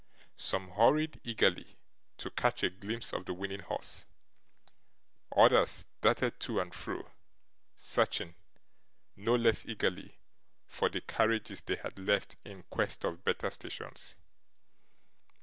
Some hurried eagerly to catch a glimpse of the winning horse; others darted to and fro, searching, no less eagerly, for the carriages they had left in quest of better stations.